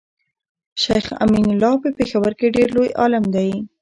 شيخ امين الله په پيښور کي ډير لوي عالم دی